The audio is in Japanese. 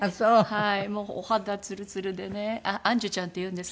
はい。